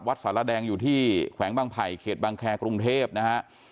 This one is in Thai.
สารแดงอยู่ที่แขวงบางไผ่เขตบังแครกรุงเทพนะฮะ